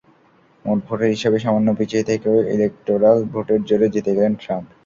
মোট ভোটের হিসাবে সামান্য পিছিয়ে থেকেও ইলেকটোরাল ভোটের জোরে জিতে গেলেন ট্রাম্প।